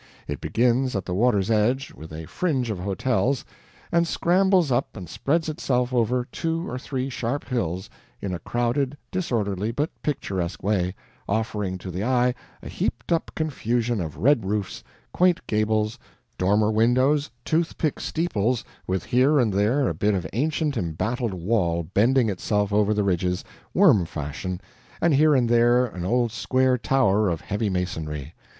It begins at the water's edge, with a fringe of hotels, and scrambles up and spreads itself over two or three sharp hills in a crowded, disorderly, but picturesque way, offering to the eye a heaped up confusion of red roofs, quaint gables, dormer windows, toothpick steeples, with here and there a bit of ancient embattled wall bending itself over the ridges, worm fashion, and here and there an old square tower of heavy masonry.